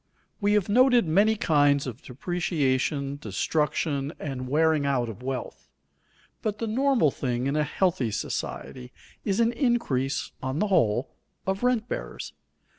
_ We have noted many kinds of depreciation, destruction, and wearing out of wealth; but the normal thing in a healthy society is an increase, on the whole, of rent bearers.